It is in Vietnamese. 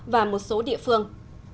và một số địa phương